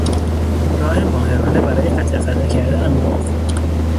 راه ماهرانه برای قطعه قطعه کردن مرغ